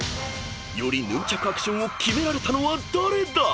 ［よりヌンチャクアクションをキメられたのは誰だ⁉］